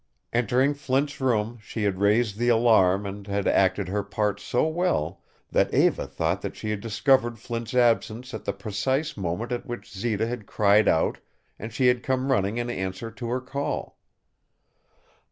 Entering Flint's room, she had raised the alarm and had acted her part so well that Eva thought that she had discovered Flint's absence at the precise moment at which Zita had cried out and she had come running in answer to her call.